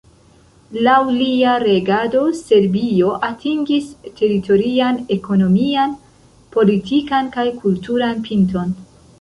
Laŭ lia regado Serbio atingis teritorian, ekonomian, politikan kaj kulturan pinton.